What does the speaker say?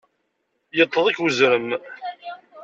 Iṭṭeḍ-ik uzrem.